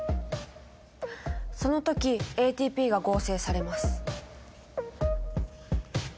その時ＡＴＰが合成されます。